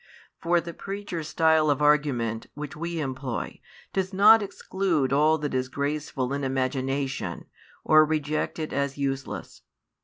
For the preacher's style of argument, which we employ, does not exclude all that is graceful in imagination, or reject it as useless.